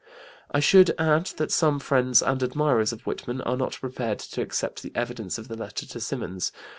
I should add that some friends and admirers of Whitman are not prepared to accept the evidence of the letter to Symonds.